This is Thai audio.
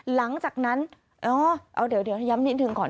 หลังจากนั้นอ๋อเอาเดี๋ยวย้ำนิดหนึ่งก่อน